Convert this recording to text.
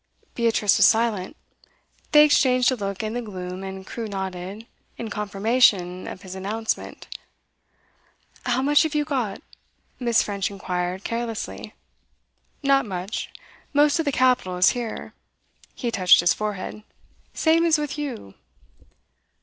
Beatrice was silent. They exchanged a look in the gloom, and Crewe nodded, in confirmation of his announcement. 'How much have you got?' Miss. French inquired carelessly. 'Not much. Most of the capital is here.' He touched his forehead. 'Same as with you.